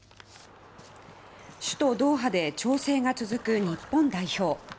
首都ドーハで調整が続く日本代表。